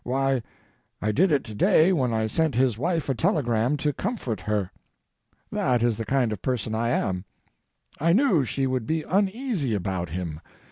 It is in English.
Why, I did it to day when I sent his wife a telegram to comfort her. That is the kind of person I am. I knew she would be uneasy about him.